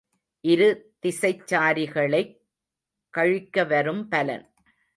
இரு திசைச்சாரிகளைக் கழிக்க வரும் பலன்.